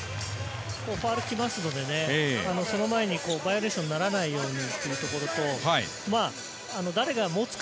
ファウルきますので、その前にバイオレーションにならないようにというところと、誰が持つか。